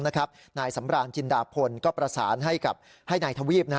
นายสำรานจินดาพลก็ประสานให้นายทวีป